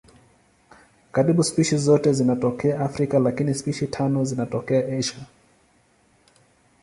Karibu spishi zote zinatokea Afrika lakini spishi tano zinatokea Asia.